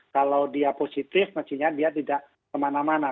kalau dia positif mestinya dia tidak kemana mana